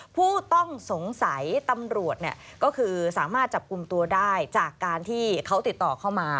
ผู้ต้องสงสัยตำรวจก็คือสามารถจับกลุ่มตัวได้จากการที่เขาติดต่อเข้ามา